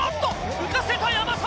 浮かせた山沢！